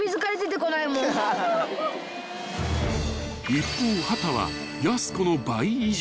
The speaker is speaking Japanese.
［一方秦はやす子の倍以上］